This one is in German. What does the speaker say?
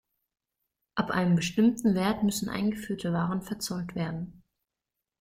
Ab einem bestimmten Wert müssen eingeführte Waren verzollt werden.